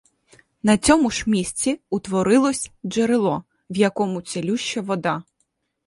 На цьому ж місці утворилось джерело, в якому цілюща вода.